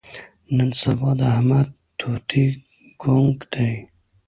نن سبا د احمد توتي ګونګ دی.